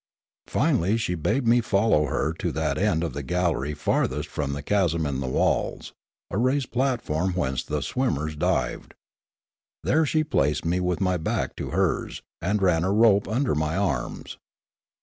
Finally she bade me follow her to that end of the gallery farthest from the chasm in the walls, a raised platform whence the swimmers dived. There she placed me with my back to hers, and ran a rope under my arms.